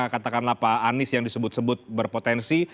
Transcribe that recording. katakanlah pak anies yang disebut sebut berpotensi